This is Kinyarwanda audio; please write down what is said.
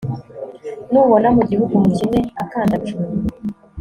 nubona mu gihugu umukene akandamijwe